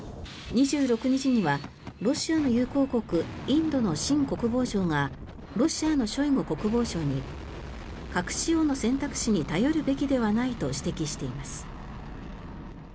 ２６日にはロシアの友好国インドのシン国防相がロシアのショイグ国防相に核使用の選択肢に頼るべきではないと指摘しています。